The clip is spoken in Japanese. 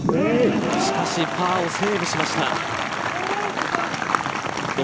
しかしパーをセーブしました。